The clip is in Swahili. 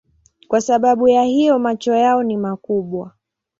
Kwa sababu ya hiyo macho yao ni makubwa.